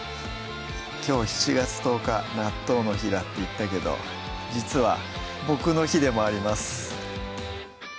きょう７月１０日「納豆の日だ」って言ったけど実は僕の日でもあります